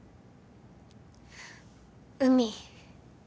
海